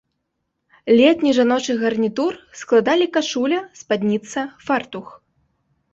Летні жаночы гарнітур складалі кашуля, спадніца, фартух.